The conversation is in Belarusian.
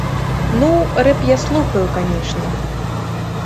Ну, рэп я слухаю, канешне.